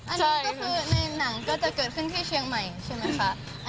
อันนี้ก็คือในหนังก็จะเกิดขึ้นที่เชียงใหม่ใช่ไหมคะ